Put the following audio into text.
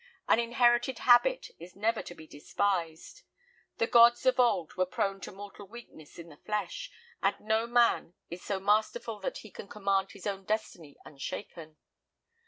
An inherited habit is never to be despised. The gods of old were prone to mortal weakness in the flesh, and no man is so masterful that he can command his own destiny unshaken.